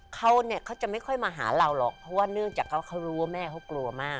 เขาเนี่ยเขาจะไม่ค่อยมาหาเราหรอกเพราะว่าเนื่องจากเขารู้ว่าแม่เขากลัวมาก